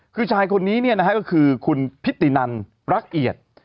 คือชายคนนี้เนี่ยนะฮะก็คือคุณพิตินันรักเอียด